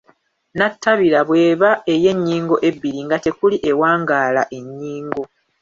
nnatabira bw’eba ey’ennyingo ebbiri nga tekuli ewangaala ennyingo